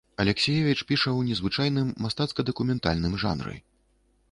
Алексіевіч піша ў незвычайным мастацка-дакументальным жанры.